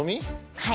はい。